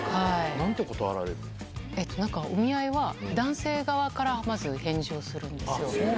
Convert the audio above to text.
なんなんかお見合いは、男性側からまず返事をするんですよ。